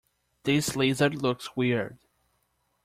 This lizard looks weird.